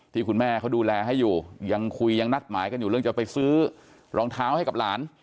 ที่คุณแม่เขาดูแลให้อยู่ยังคุยยังนัดหมายกันอยู่เรื่องจะไปซื้อรองเท้าให้กับหลาน